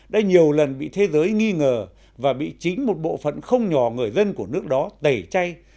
đã nhiều lần bị thế giới nghi ngờ và bị chính một bộ phận không nhỏ người dân của nước đó tẩy chay